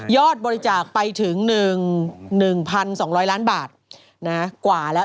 บริจาคไปถึง๑๒๐๐ล้านบาทกว่าแล้ว